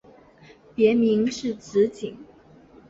别名是直景。